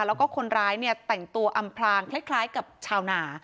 แล้วก็คนร้ายเนี่ยแต่งตัวอำพลางคล้ายกับชาวนา